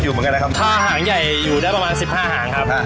อยู่ได้ประมาณ๑๕ทางครับ